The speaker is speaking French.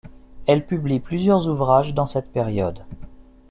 Elle publie plusieurs ouvrages dans cette période.